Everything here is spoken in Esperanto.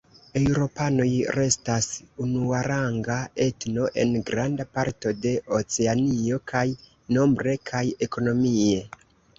Eŭropanoj restas unuaranga etno en granda parto de Oceanio, kaj nombre kaj ekonomie.